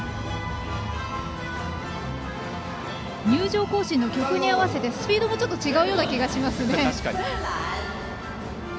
入場行進の曲に合わせてスピードもちょっと違うような気がしますね。